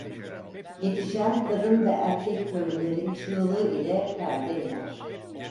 Yetişen kadın ve erkek köylülerin çığlığı ile perde iner.